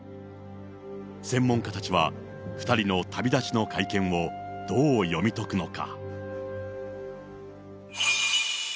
専門家たちは、２人の旅立ちの会見をどう読み解くのか。